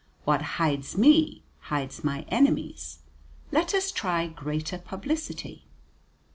What hides me hides my enemies: let us try greater publicity."